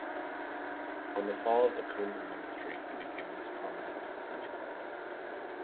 On the fall of the Combes ministry he became less prominent in French politics.